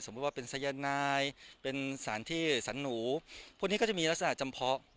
ว่าเป็นสายนายเป็นสารที่สารหนูพวกนี้ก็จะมีลักษณะจำเพาะ